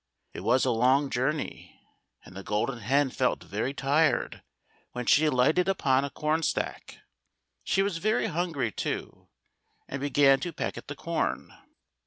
It was a long journey, and the Golden Hen felt very tired when she alighted upon a corn stack. She was very hungry too and began to peck at the corn.